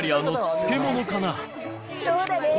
そうだね。